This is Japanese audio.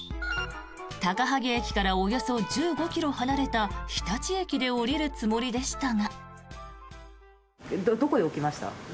高萩駅からおよそ１５ｋｍ離れた日立駅で降りるはずでしたが。